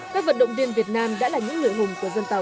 các vận động viên việt nam đã là những người hùng của dân tộc